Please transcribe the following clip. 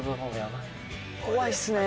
怖いですね。